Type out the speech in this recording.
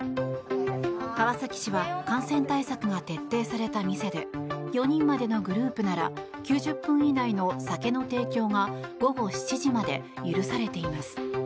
川崎市は感染対策が徹底された店で４人までのグループなら９０分以内の酒の提供が午後７時まで許されています。